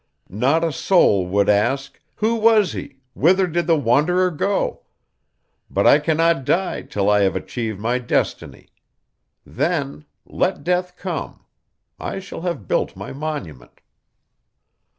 Not a soul would ask, 'Who was he? Whither did the wanderer go? But I cannot die till I have achieved my destiny. Then, let Death come! I shall have built my monument!